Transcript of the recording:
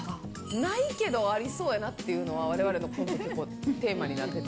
ないけどありそうやなっていうのが、われわれのコントのテーマになってて。